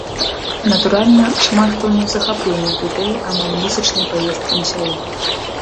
Натуральна, шмат хто не ў захапленні ад ідэі амаль месячнай паездкі на сяло.